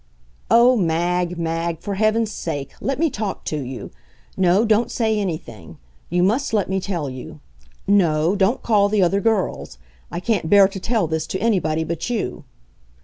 III. Oh, Mag, Mag, for heaven's sake, let me talk to you! No, don't say anything. You must let me tell you. No don't call the other girls. I can't bear to tell this to anybody but you.